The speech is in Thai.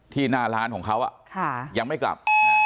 หน้าร้านของเขายังไม่กลับ